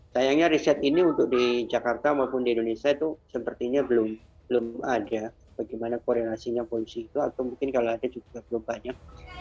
sayangnya riset ini untuk di jakarta maupun di indonesia itu sepertinya belum ada bagaimana koordinasinya polisi itu atau mungkin kalau ada juga belum banyak